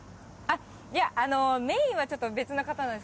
メインはちょっと別の方なんです。